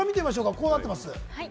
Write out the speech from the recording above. こうなっています。